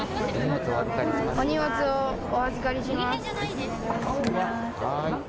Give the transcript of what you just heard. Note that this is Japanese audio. お荷物をお預かりします。